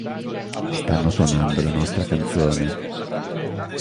Stanno suonando la nostra canzone